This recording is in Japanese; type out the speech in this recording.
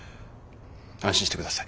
安心してください。